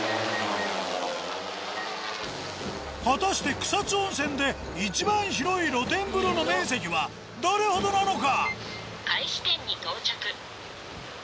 果たして草津温泉で一番広い露天風呂の面積はどれほどなのか？